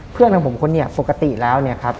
เพื่อนของผมคนนี้ปกติแล้วเนี่ยครับ